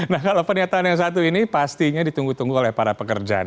nah kalau pernyataan yang satu ini pastinya ditunggu tunggu oleh para pekerjaan